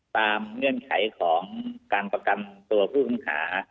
เงื่อนไขของการประกันตัวผู้ต้องหา